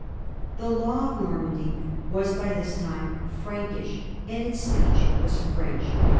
The law of Normandy was by this time Prankish, and its speech was French.